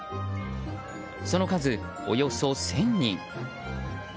その数、およそ１０００人。